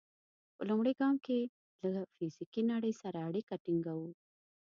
په لومړي ګام کې له فزیکي نړۍ سره اړیکه ټینګوو.